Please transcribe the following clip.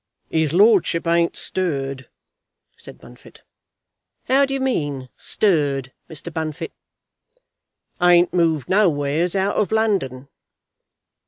"'Is lordship ain't stirred," said Bunfit. "How do you mean, stirred, Mr. Bunfit?" "Ain't moved nowheres out of London."